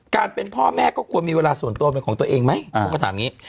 เป็นพ่อแม่ก็ควรมีเวลาส่วนตัวเป็นของตัวเองไหมเขาก็ถามอย่างนี้